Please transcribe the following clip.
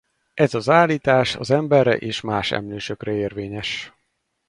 Ez az állítás az emberre és más emlősökre érvényes.